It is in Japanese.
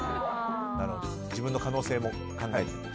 自分の可能性も考えてと。